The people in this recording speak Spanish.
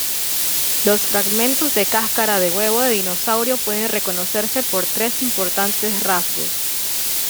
Los fragmentos de cáscara de huevo de dinosaurio pueden reconocerse por tres importantes rasgos.